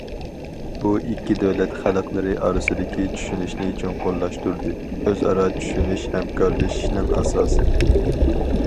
بۇ ئىككى دۆلەت خەلقلىرى ئارىسىدىكى چۈشىنىشنى چوڭقۇرلاشتۇردى، ئۆزئارا چۈشىنىش ھەمكارلىشىشنىڭ ئاساسى.